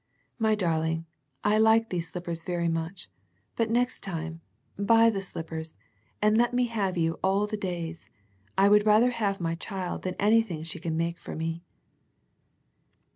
My darling, I like these slip pers very much, but next time, buy the slippers, and let me have you all the days, I would rather have my child than anything she can make for me."